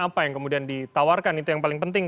apa yang kemudian ditawarkan itu yang paling penting